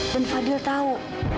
dan fadil tahu